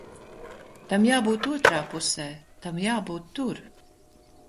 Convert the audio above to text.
Tam jābūt otrā pusē. Tam jābūt tur!